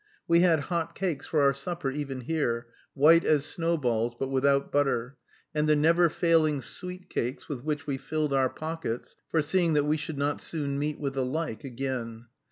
We had hot cakes for our supper even here, white as snowballs, but without butter, and the never failing sweet cakes, with which we filled our pockets, foreseeing that we should not soon meet with the like again.